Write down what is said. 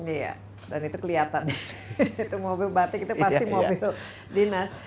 iya dan itu kelihatan itu mobil batik itu pasti mobil dinas